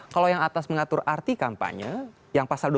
kalau yang atas mengatur soal kompetensi itu adalah yang berikutnya